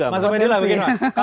mas om edhila begini pak